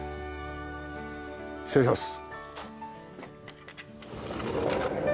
失礼します。